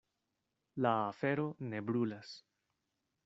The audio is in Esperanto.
La afero ne brulas.